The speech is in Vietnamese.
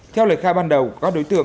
theo lời khai ban đầu các đối tượng